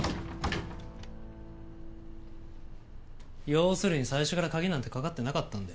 要するに最初から鍵なんてかかってなかったんだよ。